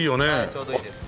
ちょうどいいです。